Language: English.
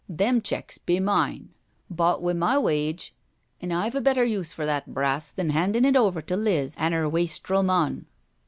" Them checks be mine, bought wi' my wage, an' I've a better use for that brass than handin' it over to Liz an' 'er wastrel mon."